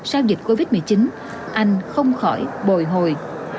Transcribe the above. sau dịch covid một mươi chín anh không khỏi bồi hồi